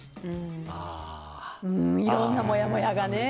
いろんなもやもやがね。